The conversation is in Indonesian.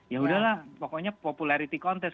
ya udahlah pokoknya popularity contest